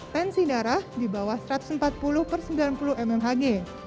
tensi darah di bawah satu ratus empat puluh per sembilan puluh mmhg